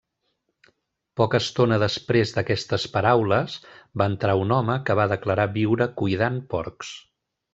Poca estona després d'aquestes paraules va entrar un home que va declarar viure cuidant porcs.